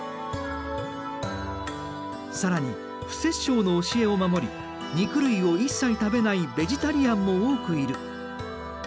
更に不殺生の教えを守り肉類を一切食べないベジタリアンも多くいる。